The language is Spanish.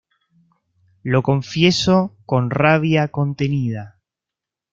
Lo confieso con rabia contenida.